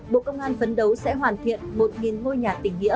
bộ công an phấn đấu sẽ hoàn thiện một ngôi nhà tỉnh nghĩa